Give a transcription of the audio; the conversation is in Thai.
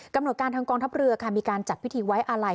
กำหนดการทางกองทัพเรือค่ะมีการจัดพิธีไว้อาลัย